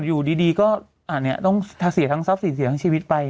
อยู่ดีก็ต้องเสียทั้งทรัพย์สินเสียทั้งชีวิตไป